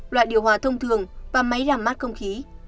loại điều hòa thông thường và máy làm mát không khí